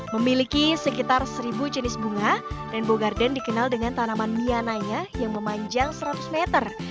memiliki sekitar seribu jenis bunga rainbow garden dikenal dengan tanaman miananya yang memanjang seratus meter